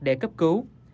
để cấp cứu